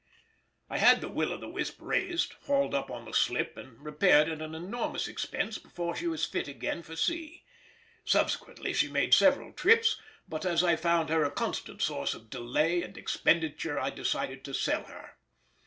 I had the Will o' the Wisp raised, hauled up on the slip, and repaired at an enormous expense before she was fit again for sea. Subsequently she made several trips, but as I found her a constant source of delay and expenditure I decided to sell her.